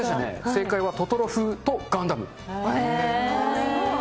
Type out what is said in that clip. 正解は、トトロ風と、ガンダム。